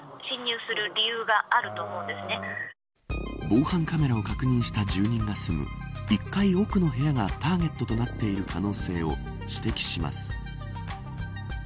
防犯カメラを確認した住民が住む１階、奥の部屋がターゲットとなっている可能性を指摘します。